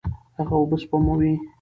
هغه اوبه سپموي.